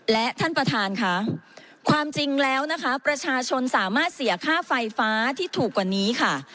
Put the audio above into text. และท่านประธานค่ะความจริงแล้วนะคะประชาชนสามารถเสียค่าไฟฟ้าที่ถูกกว่านี้ค่ะ